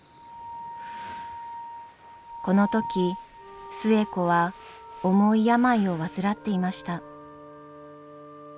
この時寿恵子は重い病を患っていました。